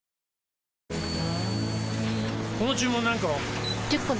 この注文何個？